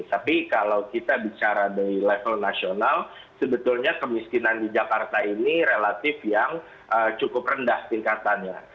tapi kalau kita bicara dari level nasional sebetulnya kemiskinan di jakarta ini relatif yang cukup rendah tingkatannya